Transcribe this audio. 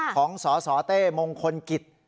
สสเต้มงคลกิจ